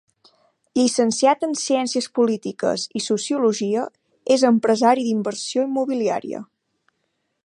Llicenciat en Ciències Polítiques i Sociologia, és empresari d'inversió immobiliària.